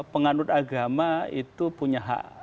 penganut agama itu punya hak